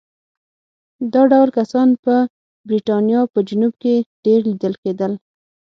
دا ډول کسان په برېټانیا په جنوب کې ډېر لیدل کېدل.